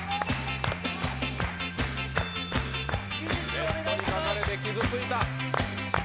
ネットに書かれて傷ついた。